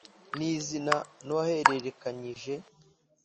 n izina n uwahererekanyije